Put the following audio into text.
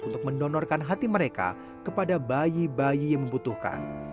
untuk mendonorkan hati mereka kepada bayi bayi yang membutuhkan